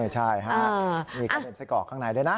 ใช่ฮะมีกระเด็นไส้กรอกข้างในด้วยนะ